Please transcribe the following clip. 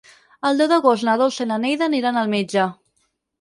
El deu d'agost na Dolça i na Neida aniran al metge.